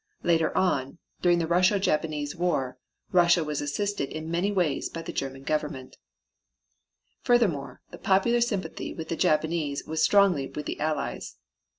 Later on, during the Russo Japanese war, Russia was assisted in many ways by the German Government. Furthermore, the popular sympathy with the Japanese was strongly with the Allies.